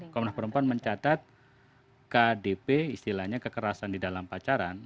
komnak perupaan mencatat kdp istilahnya kekerasan di dalam pacaran